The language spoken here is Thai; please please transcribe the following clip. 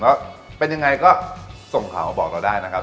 แล้วเป็นยังไงก็ส่งข่าวมาบอกเราได้นะครับ